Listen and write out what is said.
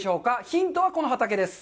ヒントはこの畑です。